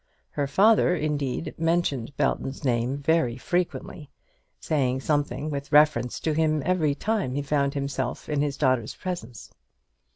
Her father, indeed, mentioned Belton's name very frequently, saying something with reference to him every time he found himself in his daughter's presence.